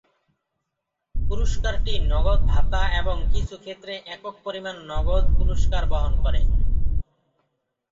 পুরস্কারটি নগদ ভাতা এবং কিছু ক্ষেত্রে একক পরিমাণ নগদ পুরস্কার বহন করে।